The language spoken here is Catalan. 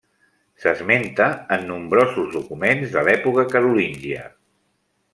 S'esmenta en nombrosos documents de l'època carolíngia.